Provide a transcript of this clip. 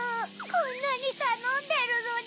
こんなにたのんでるのに。